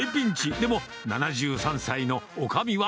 でも、７３歳のおかみは。